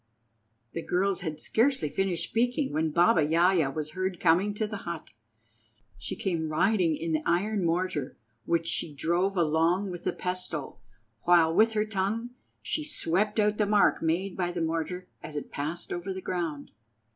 The girls had scarcely finished speaking when Baba Yaja was heard coming to the hut. She came riding in the iron mortar, which she drove along with the pestle, while, with her tongue, she swept out the mark made by the mortar as it passed over the ground.